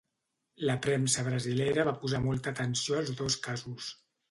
La premsa brasilera va posar molta atenció als dos casos.